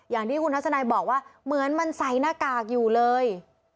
อย่างที่คุณทัศนัยบอกว่าเหมือนมันใส่หน้ากากอยู่เลย